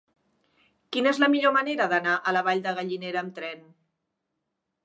Quina és la millor manera d'anar a la Vall de Gallinera amb tren?